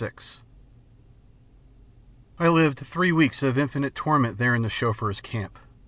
VI "I LIVED three weeks of infinite torment there in the Chauffeur's camp.